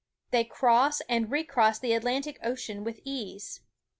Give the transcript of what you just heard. They cross and re cross the Atlantic Ocean with ease.